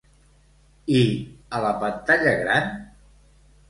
I a la pantalla gran?